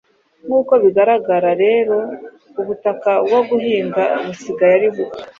Nkuko bigaragara rero ubutaka bwo guhinga busigaye ari buto.